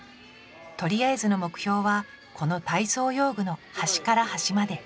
とりあえずの目標はこの体操用具の端から端まで。